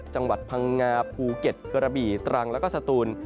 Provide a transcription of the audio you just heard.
จังหวัดพังงาภูเก็ตกระบี่ตรังแล้วก็สตูน